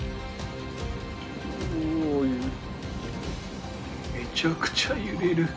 うおめちゃくちゃ揺れる。